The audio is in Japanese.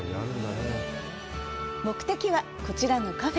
目的はこちらのカフェ。